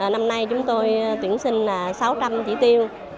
năm nay chúng tôi tuyển sinh là sáu trăm linh chỉ tiêu